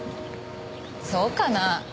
そうかな？